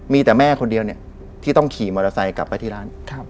มีแต่แม่คนเดียวเนี่ยที่ต้องขี่มอเตอร์ไซค์กลับไปที่ร้าน